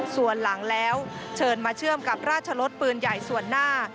ส่วนหลังแล้วเชิญมาเชื่อมกับราชรสปืนใหญ่ส่วนหน้า